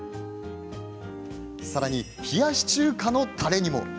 さらに、冷やし中華のたれにも。